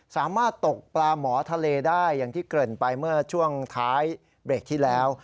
สามารถตกปลาหมอทะเลได้อย่างที่เกริ่นไปเมื่อช่วงท้ายเบรกที่แล้ว